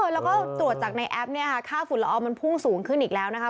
แล้วก็ตรวจจากในแอปเนี่ยค่ะค่าฝุ่นละอองมันพุ่งสูงขึ้นอีกแล้วนะคะ